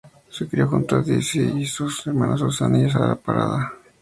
Se crio junto con Disi y sus dos hermanas Susana y Sara Parada.